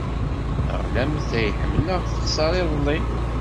Taɣlamt ay ḥemmleɣ texṣer iḍelli.